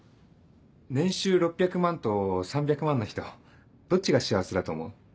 年収６００万と３００万の人どっちが幸せだと思う？